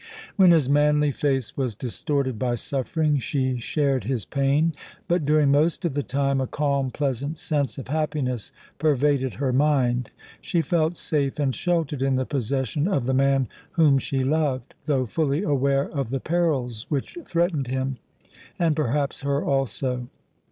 When his manly face was distorted by suffering, she shared his pain; but during most of the time a calm, pleasant sense of happiness pervaded her mind. She felt safe and sheltered in the possession of the man whom she loved, though fully aware of the perils which threatened him, and, perhaps, her also.